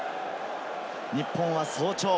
日本は早朝。